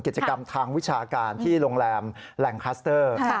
กิจกรรมทางวิชาการที่โรงแรมแหล่งคัสเตอร์